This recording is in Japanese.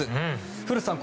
古田さん